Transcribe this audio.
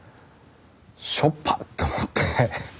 しょっぱって思って。